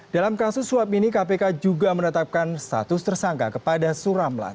dalam kasus suap ini kpk juga menetapkan status tersangka kepada suramlan